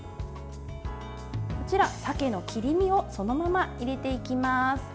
こちら、鮭の切り身をそのまま入れていきます。